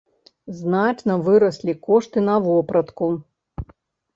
Значна выраслі кошты на вопратку.